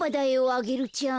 アゲルちゃん。